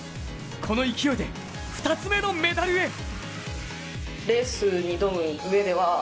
この勢いで２つ目のメダルへ。